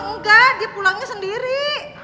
enggak dia pulangnya sendiri